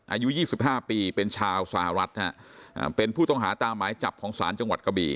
อายุยี่สิบห้าปีเป็นชาวสหรัฐฯฮะอ่าเป็นผู้ต้องหาตามไม้จับของสารจังหวัดกะบี